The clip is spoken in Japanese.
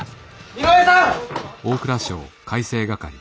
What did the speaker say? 井上さん！